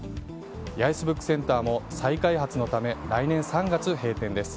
八重洲ブックセンターも再開発のため来年３月閉店です。